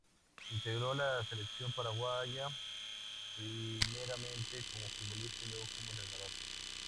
Integró la Selección Paraguaya, primeramente como futbolista y luego como entrenador.